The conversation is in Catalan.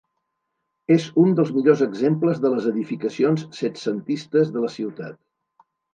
És un dels millors exemples de les edificacions setcentistes de la ciutat.